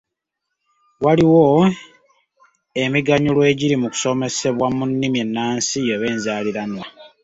Waliwo emiganyulwo egiri mu kusomesebwa mu nnimi ennansi oba enzaaliranwa.